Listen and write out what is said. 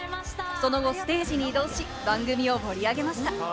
その後、ステージに移動し、番組を盛り上げました。